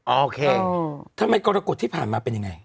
โอเคทำไมกรกฎที่ผ่านมาเป็นยังไง